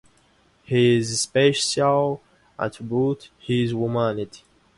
His special attribute is humanity.